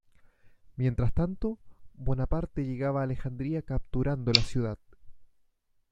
Mientras tanto, Bonaparte llegaba a Alejandría capturando la ciudad.